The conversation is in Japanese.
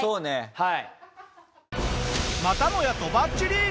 はい。